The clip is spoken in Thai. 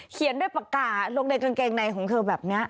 เขียนด้วยปากกาลงในกางเกงในของเธอแบบนี้